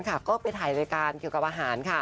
ก็ไปถ่ายรายการเกี่ยวกับอาหาร